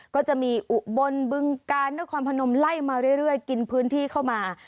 ก็จะมีอุบลบึงกาลนครพนมไล่มาเรื่อยกินพื้นที่เข้ามา